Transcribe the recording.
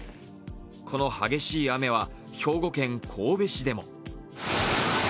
この激しい雨は兵庫県神戸市でも。